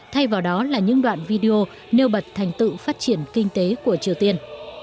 thay vào đó là những đoạn video nêu bật thành tựu phát triển kinh tế của triều tiên